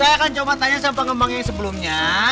saya akan coba tanya sama pengembang yang sebelumnya